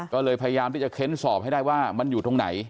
ก็เลยพยายามที่จะเค้นสอบให้ได้ว่ามันอยู่ตรงไหน